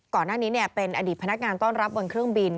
ก่อนหน้านี้เป็นอดีตพนักงานต้อนรับบนเครื่องบิน